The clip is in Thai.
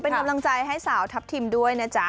เป็นกำลังใจให้สาวทัพทิมด้วยนะจ๊ะ